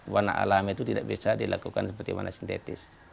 warna alam itu tidak bisa dilakukan seperti warna sintetis